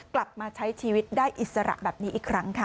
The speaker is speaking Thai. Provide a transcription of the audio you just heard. กลับมาใช้ชีวิตได้อิสระแบบนี้อีกครั้งค่ะ